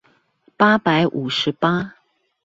八百五十八